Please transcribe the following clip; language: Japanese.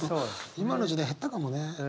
今の時代減ったかもね。